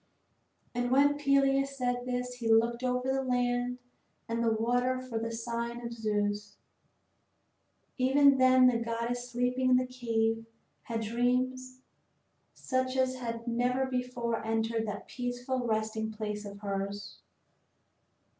And when Peleus said this he looked over the land and the water for a sign from Zeus. Even then the goddess sleeping in the cave had dreams such as had never before entered that peaceful resting place of hers.